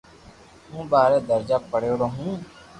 ھون ٻارآ درجہ پڙھيڙو ھون